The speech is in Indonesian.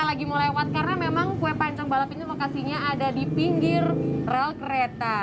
saya lagi mau lewat karena memang kue pancong balap ini lokasinya ada di pinggir rel kereta